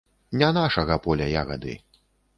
Не нашага поля ягады.